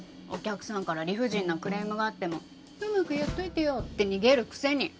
お客さんから理不尽なクレームがあっても「うまくやっといてよ」って逃げるくせに！